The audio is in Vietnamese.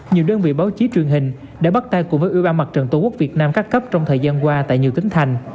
nhiều đơn vị báo chí truyền hình đã bắt tay cùng với ủy ban mặt trận tổ quốc việt nam các cấp trong thời gian qua tại nhiều tỉnh thành